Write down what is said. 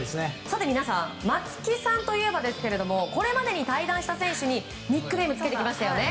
皆さん、松木さんといえばこれまでに対談した選手にニックネームをつけてきましたよね。